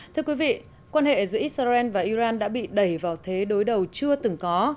thưa quý vị quan hệ giữa israel và iran đã bị đẩy vào thế đối đầu chưa từng có